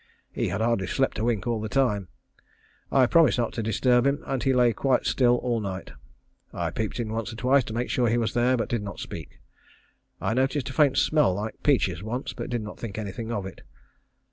He had hardly slept a wink all the time. I promised not to disturb him, and he lay quite quiet all night. I peeped in once or twice to make sure he was there, but did not speak. I noticed a faint smell like peaches once, but did not think anything of it.